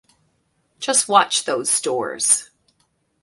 Just watch those doors!